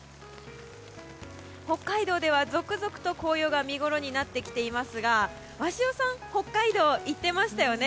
北海道では続々と紅葉が見ごろになってきていますが鷲尾さん、北海道行ってましたよね。